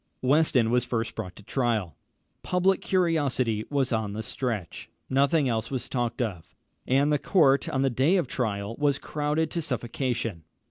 Weston was first brought to trial. Public curiosity was on the stretch. Nothing else was talked of, and the court on the day of trial was crowded to suffocation.